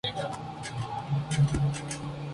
En ambos partidos salió en sustitución de Sanchís.